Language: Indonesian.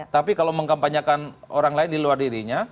tapi kalau mengkampanyekan orang lain di luar dirinya